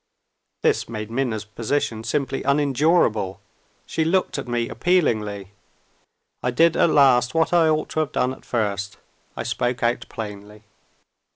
This made Minna's position simply unendurable. She looked at me appealingly. I did at last, what I ought to have done at first I spoke out plainly.